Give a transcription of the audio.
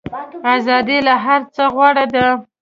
ازادي له هر څه غوره ده.